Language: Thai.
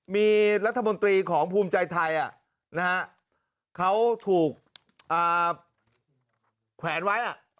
มีรัฐมนตรีของภูมิใจไทยเขาถูกแขวนไว้